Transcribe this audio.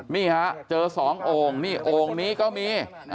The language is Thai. นี่ฮะเจอ๒โอ่งนี่โอ่งนี้ก็มี